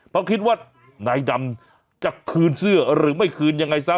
เพราะคิดว่านายดำจะคืนเสื้อหรือไม่คืนยังไงซะ